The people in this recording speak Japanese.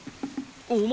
お前